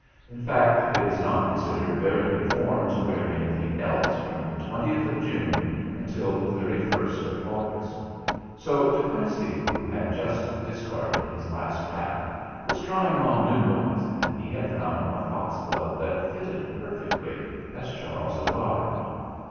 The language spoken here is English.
In fact, it is not considered very good form to wear anything else from the twentieth of June until the thirty first of August; so De Quincey, who had just dis carded his last hat, was trying on new ones, and he had found a foxglove that fitted per fectly as Charles arrived.